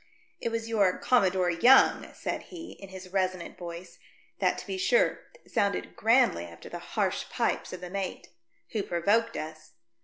"It was your Commodore Young," said he, in his resonant voice, that, to be sure, sounded grandly after the harsh pipes of the mate, " who provoked us.